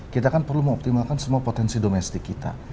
kita kan perlu mengoptimalkan semua potensi domestik kita